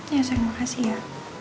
iya sayang makasih ya